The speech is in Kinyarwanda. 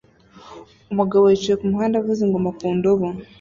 Umugabo yicaye kumuhanda avuza ingoma ku ndobo